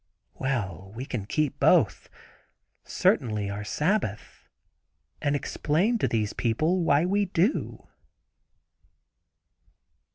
Well, we can keep both—certainly our Sabbath, and explain to these people why we do.